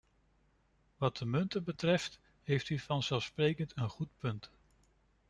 Wat de munten betreft, heeft u vanzelfsprekend een goed punt.